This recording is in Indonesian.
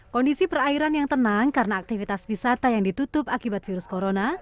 kondisi perairan yang tenang karena aktivitas wisata yang ditutup akibat virus corona